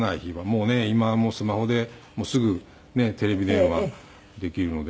もうね今はもうスマホですぐねっテレビ電話できるので。